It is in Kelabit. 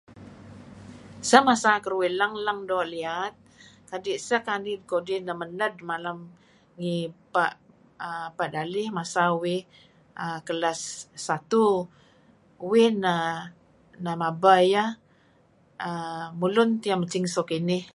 Seh masa keruih leng-leng doo' liat, kadi' seh kanid kudih neh mened malem ngih Pa'... aaa... Pa' Dalih ngilad. Uih neh mabeh ieh. Mulun tieh mesing so kinih.